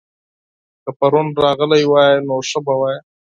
که پرون راغلی وای؛ نو ښه به وای